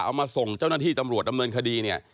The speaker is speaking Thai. เอามาส่งเจ้าหน้าที่ตำรวจดำเนินคดีเนี่ย